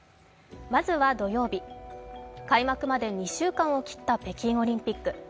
まずは土曜日、開幕まで２週間を切った北京オリンピック。